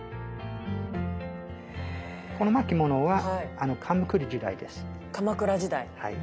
この巻物は鎌倉時代です。